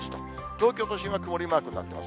東京都心は曇りマークになっています。